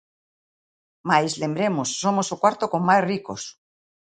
Mais, lembremos, somos o cuarto con máis ricos.